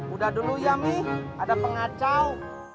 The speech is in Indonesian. udah dulu ya mi ada pengacau